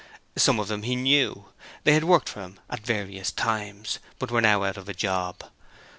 Some of them he knew; they had worked for him at various times, but were now out of a job.